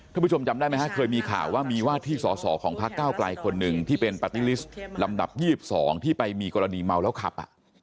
ผู้ชมจำได้ไหมฮะเคยมีข่าวว่ามีว่าที่สอสอของพักเก้าไกลคนหนึ่งที่เป็นปาร์ตี้ลิสต์ลำดับ๒๒ที่ไปมีกรณีเมาแล้วขับ